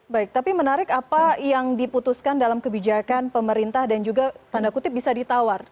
baik tapi menarik apa yang diputuskan dalam kebijakan pemerintah dan juga tanda kutip bisa ditawar